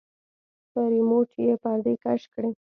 په رېموټ يې پردې کش کړې.